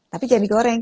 tapi jangan digoreng